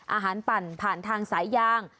ปั่นผ่านทางสายยาง